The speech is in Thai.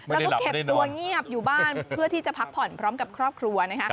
แล้วก็เก็บตัวเงียบอยู่บ้านเพื่อที่จะพักผ่อนพร้อมกับครอบครัวนะคะ